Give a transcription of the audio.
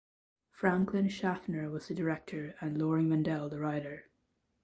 Franklin Schaffner was the director and Loring Mandel the writer.